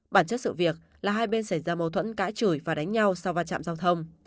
bản chất sự việc là hai bên xảy ra mâu thuẫn cãi chửi và đánh nhau sau va chạm giao thông